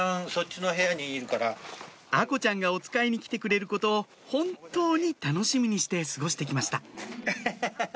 愛心ちゃんがおつかいに来てくれることを本当に楽しみにして過ごしてきましたアハハハハ。